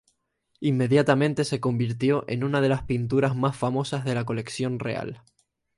Inmediatamente se convirtió en una de las pinturas más famosas de la colección real.